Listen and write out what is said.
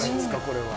これは。